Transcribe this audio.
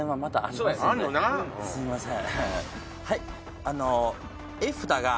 すいません。